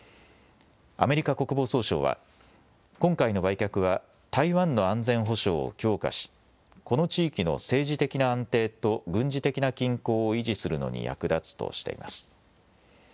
アメリカ国防総省は、今回の売却は台湾の安全保障を強化しこの地域の政治的な安定と軍事的な均衡を維持するのに役立つとしています。